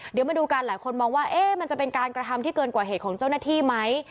เดี๋ยวมาดูกันหลายคนมองว่ามันจะเป็นการกระทำที่เกินกว่าเหตุของเจ้าหน้าที่ไหม